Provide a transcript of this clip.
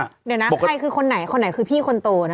เดี๋ยวนะใครคือคนไหนคนไหนคือพี่คนโตนะ